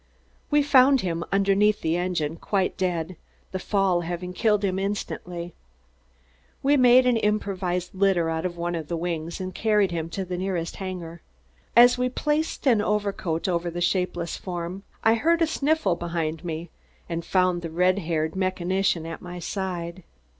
We found him underneath the engine, quite dead, the fall having killed him instantly. We made an improvised litter out of one of the wings and carried him to the nearest hangar. As we placed an overcoat over the shapeless form, I heard a sniffle behind me and found the red haired mechanician at my side.